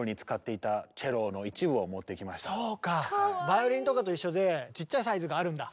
バイオリンとかと一緒でちっちゃいサイズがあるんだ！